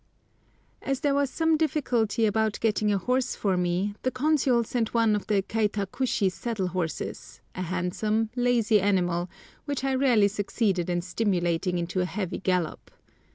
As there was some difficulty about getting a horse for me the Consul sent one of the Kaitakushi saddle horses, a handsome, lazy animal, which I rarely succeeded in stimulating into a heavy gallop.